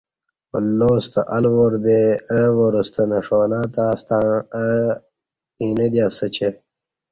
اللہ ستہ الواردےاو وار ستہ نݜانہ تاستݩع اینہ دی اسہ چہ